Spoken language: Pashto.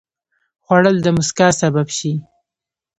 خوړل د مسکا سبب شي